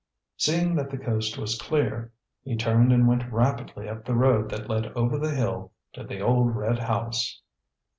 Seeing that the coast was clear, he turned and went rapidly up the road that led over the hill to the old red house.